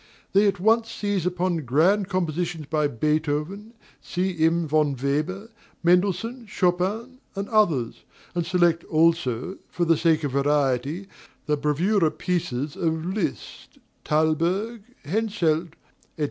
They at once seize upon grand compositions by Beethoven, C.M. von Weber, Mendelssohn, Chopin, and others, and select also, for the sake of variety, the bravoura pieces of Liszt, Thalberg, Henselt, &c.